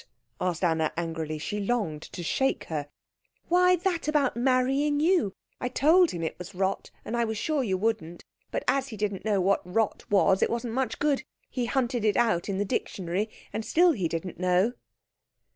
asked Anna angrily. She longed to shake her. "Why, that about marrying you. I told him it was rot, and I was sure you wouldn't, but as he didn't know what rot was, it wasn't much good. He hunted it out in the dictionary, and still he didn't know."